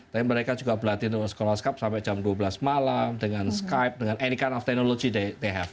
tapi mereka juga berlatih di world scholars cup sampai jam dua belas malam dengan skype dengan any kind of technology they have